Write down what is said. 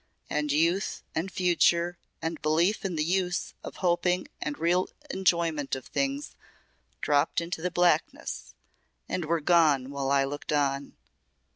And youth, and future, and belief in the use of hoping and real enjoyment of things dropped into the blackness and were gone while I looked on.